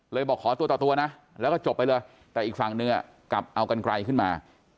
เลยบอกขอตัวนะแล้วก็จบไปเลยแต่อีกฝั่งเนื้อกลับเอากันไกลขึ้นมา